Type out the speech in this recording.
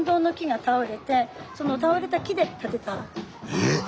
えっ？